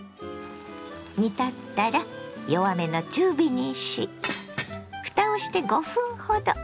煮立ったら弱めの中火にしふたをして５分ほど。